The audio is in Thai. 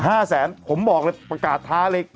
ห้าแสนผมบอกเลยประกาศท้าเลย